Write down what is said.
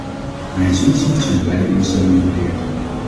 Mijns inziens zijn beide instellingen verkeerd.